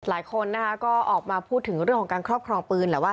หลายคนก็ออกมาพูดถึงเรื่องของการครอบครองปืน